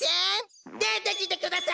でてきてください！